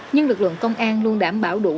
nhưng lực lượng công an luôn đảm bảo đủ